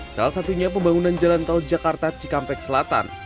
salah satunya pembangunan jalan tol jakarta cikampek selatan